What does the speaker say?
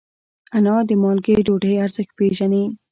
انا د مالګې ډوډۍ ارزښت پېژني